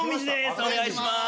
お願いします